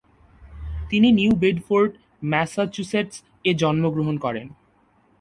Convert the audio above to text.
তিনি New Bedford, ম্যাসাচুসেটস-এ জন্মগ্রহণ করেন।